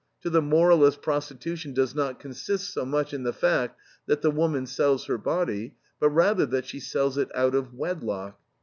To the moralist prostitution does not consist so much in the fact that the woman sells her body, but rather that she sells it out of wedlock.